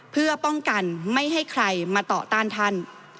เพื่อป้องกันไม่ให้ใครมาต่อต้านท่าน